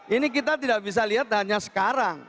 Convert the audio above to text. ini kita tidak bisa lihat hanya sekarang